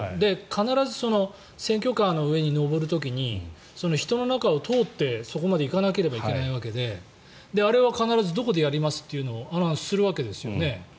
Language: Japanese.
必ず選挙カーの上に上る時に人の中を通ってそこまで行かなければいけないわけであれは必ずどこでやりますとアナウンスするわけですよね。